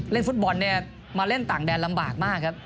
เล่นฟุตบอลมาเล่นต่างแดนลำบากมากครับ